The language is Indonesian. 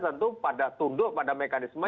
tentu pada tunduk pada mekanisme